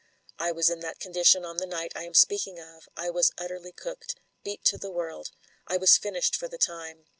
I was in that condition on the night I am speaking of ; I was utterly cooked — ^beat to the world ; I was finished for the time.